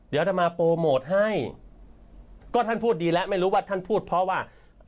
จะมาโปรโมทให้ก็ท่านพูดดีแล้วไม่รู้ว่าท่านพูดเพราะว่า